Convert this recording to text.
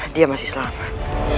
dia masih selamat